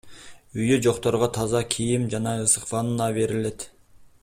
Үйү жокторго таза кийим жана ысык ванна берилет.